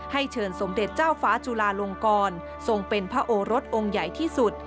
เชิญสมเด็จเจ้าฟ้าจุลาลงกรทรงเป็นพระโอรสองค์ใหญ่ที่สุด